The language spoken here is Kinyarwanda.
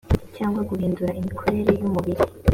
cyangwa guhindura imikorere y umubiri